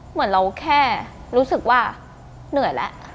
เหมือนเราแค่รู้สึกว่าเหนื่อยแล้ว